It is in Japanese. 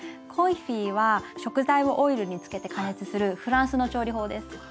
コンフィは食材をオイルに漬けて加熱するフランスの調理法です。